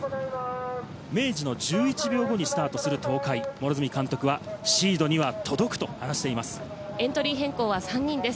明治の１１秒後にスタートする東海・両角監督はシードには届くと話しています。